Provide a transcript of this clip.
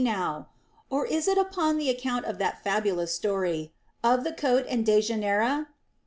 Or is it upon the account of that fabulous story of the coat and Dejaneira?